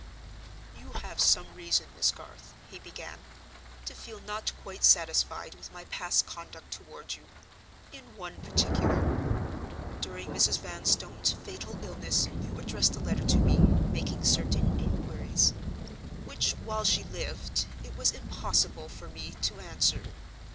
"You have some reason, Miss Garth," he began, "to feel not quite satisfied with my past conduct toward you, in one particular. During Mrs. Vanstone's fatal illness, you addressed a letter to me, making certain inquiries; which, while she lived, it was impossible for me to answer.